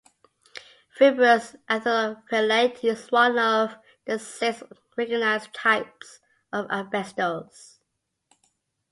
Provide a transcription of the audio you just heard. Fibrous anthophyllite is one of the six recognised types of asbestos.